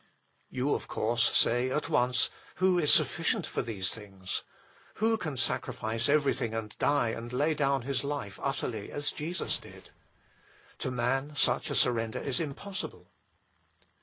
You of course say at once :" Who is sufficient for these things ? Who can sacrifice everything and die and lay down his life utterly as Jesus did ? To man such a surrender is impossible."